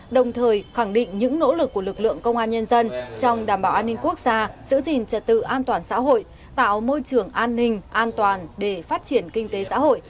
đồng thời khẳng định những nỗ lực của lực lượng công an nhân dân trong đảm bảo an ninh quốc gia giữ gìn trật tự an toàn xã hội tạo môi trường an ninh an toàn để phát triển kinh tế xã hội